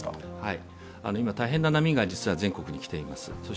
今、大変な波が実は全国に来ています。